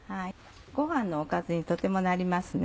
ご飯のおかずにとてもなりますね。